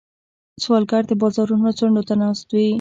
سوالګر د بازارونو څنډو ته ناست وي